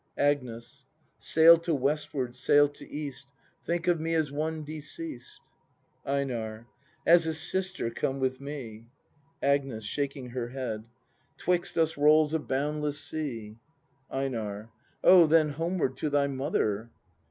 Agnes. Sail to westward, sail to east; — Think of me as one deceased. EiNAR. As a sister come with me. Agnes. [Shaking her head.] *Twixt us rolls a boundless sea. EiNAR. O, then homeward to thy mother!